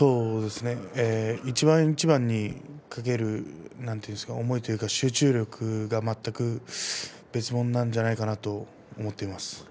一番一番に懸けるなんていうんですか思いというか集中力が全く別ものなんじゃないかなと思っています。